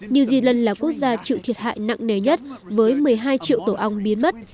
new zealand là quốc gia chịu thiệt hại nặng nề nhất với một mươi hai triệu tổ ong biến mất